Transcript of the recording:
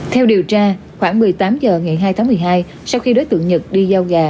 theo điều tra khoảng một mươi tám h ngày hai tháng một mươi hai sau khi đối tượng nhật đi giao gà